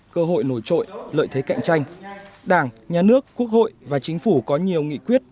cơ hội nổi trội lợi thế cạnh tranh đảng nhà nước quốc hội và chính phủ có nhiều nghị quyết